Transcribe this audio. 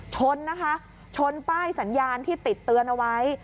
ชนนะคะชนป้ายสัญญาณที่ติดเตือนเอาไว้